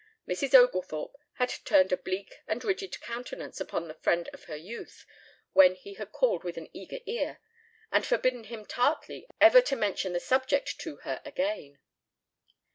Mrs. Oglethorpe had turned a bleak and rigid countenance upon the friend of her youth when he had called with an eager ear, and forbidden him tartly ever to mention the subject to her again.